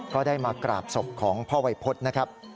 ก็ได้มากราบศพของพ่อวัยพฤษนะครับ